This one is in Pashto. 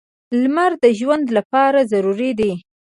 • لمر د ژوند لپاره ضروري دی.